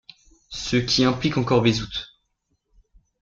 Ce qui implique encore Bézout.